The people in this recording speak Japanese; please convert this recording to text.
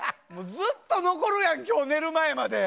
ずっと残るやん、今日寝るまで。